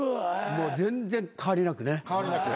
もう全然変わりなくね。